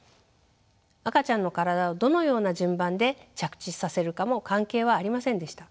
赤ちゃんの体をどのような順番で着地させるかも関係はありませんでした。